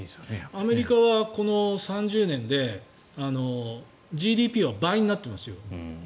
アメリカはこの３０年でＧＤＰは倍になってますよ。